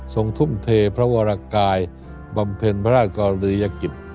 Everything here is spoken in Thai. ทุ่มเทพระวรกายบำเพ็ญพระราชกรณียกิจ